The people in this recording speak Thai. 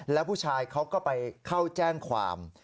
แล้วผู้ชายเขาก็ไปเข้าแจ้งความ